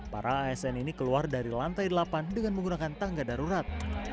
para asn ini keluar dari lantai delapan dengan menggunakan tangga darurat